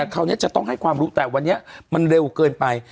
คราวนี้จะต้องให้ความรู้แต่วันนี้มันเร็วเกินไป